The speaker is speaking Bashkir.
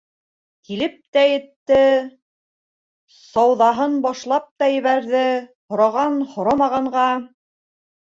Килеп тә етте, сауҙаһын башлап та ебәрҙе, һораған-һорамағанға: